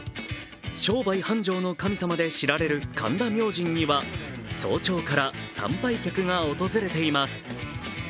商売繁盛の神様で知られる神田明神には早朝から参拝客が訪れています。